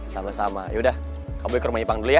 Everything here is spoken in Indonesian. sama sama yaudah kamu ke rumah ipang dulu ya